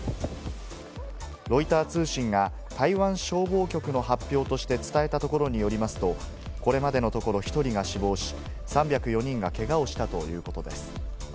ロイター通信が台湾消防局の発表として伝えたところによりますと、これまでのところ１人が死亡し、３０４人が、けがをしたということです。